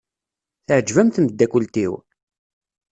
Teɛjeb-am tmeddakelt-iw?